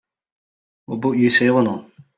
What boat you sailing on?